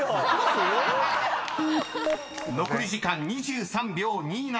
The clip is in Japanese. ［残り時間２３秒２７］